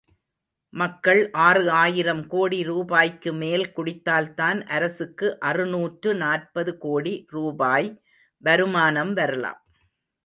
மக்கள் ஆறு ஆயிரம் கோடி ரூபாய்க்கு மேல் குடித்தால்தான் அரசுக்கு அறுநூற்று நாற்பது கோடி ரூபாய் வருமானம் வரலாம்.